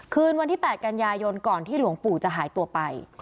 คืนวันที่๘กันยายนก่อนที่หลวงปู่จะหายตัวไป